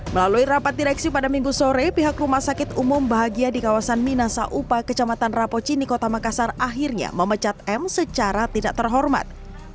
melalui rapat direksi pada minggu sore pihak rumah sakit umum bahagia di kawasan minasa upa kecamatan rapocini kota makassar akhirnya memecat m secara tidak terhormat